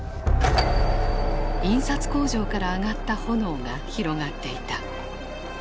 印刷工場から上がった炎が広がっていた。